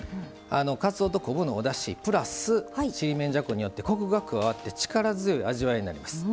かつおと昆布のおだしプラスちりめんじゃこによってコクが加わって力強い味わいになります。